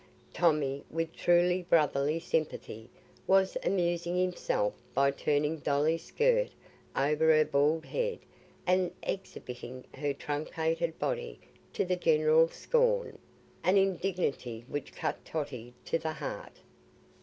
Tommy, with true brotherly sympathy, was amusing himself by turning Dolly's skirt over her bald head and exhibiting her truncated body to the general scorn—an indignity which cut Totty to the heart.